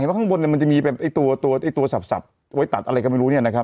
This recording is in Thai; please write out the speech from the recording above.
เห็นว่าข้างบนเนี่ยมันจะมีแบบไอ้ตัวตัวไอ้ตัวสับสับไว้ตัดอะไรก็ไม่รู้เนี่ยนะครับ